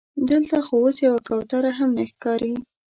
دلته خو اوس یوه کوتره هم نه ښکاري.